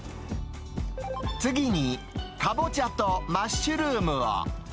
次に、カボチャとマッシュルームを。